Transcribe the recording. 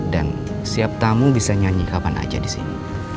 dan siap tamu bisa nyanyi kapan aja disini